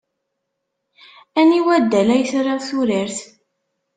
Aniwa addal ay triḍ i turart?